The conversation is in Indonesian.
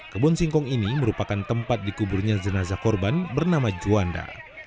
kebun singkong ini merupakan tempat dikuburnya jenazah korban bernama juanda